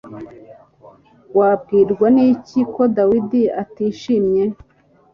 Wabwirwa niki ko David atishimye